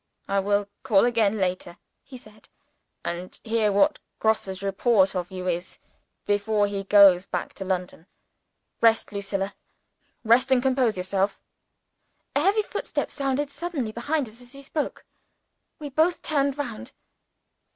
"I will call again later," he said; "and hear what Grosse's report of you is, before he goes back to London. Rest, Lucilla rest and compose yourself." A heavy footstep sounded suddenly behind us as he spoke. We both turned round.